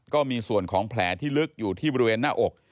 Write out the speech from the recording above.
ก็มีส่วนของแผลที่ลึกอยู่ที่บริเวณหน้าอก